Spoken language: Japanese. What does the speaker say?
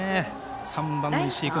３番の石井君